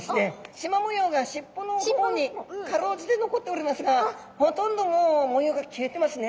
しま模様がしっぽのほうにかろうじて残っておりますがほとんどもう模様が消えてますね。